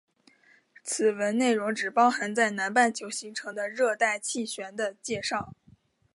此文内容只包含在南半球形成的热带气旋的介绍。